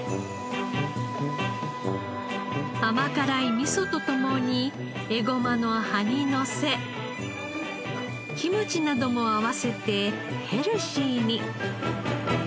甘辛いみそと共にエゴマの葉にのせキムチなども合わせてヘルシーに。